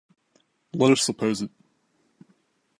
Let us suppose it.